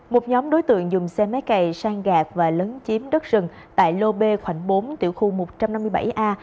một nhóm đối tượng dùng xe máy cày sang gạt và lấn chiếm đất rừng tại lô b khoảng bốn tiểu khu một trăm năm mươi bảy a